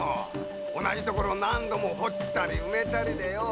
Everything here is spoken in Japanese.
同じ所を何度も掘ったり埋めたりでよ。